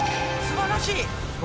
すばらしい！